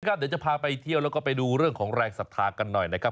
เดี๋ยวจะพาไปเที่ยวแล้วก็ไปดูเรื่องของแรงศรัทธากันหน่อยนะครับ